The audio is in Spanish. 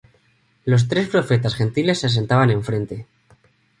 Los tres profetas gentiles se sentaban enfrente.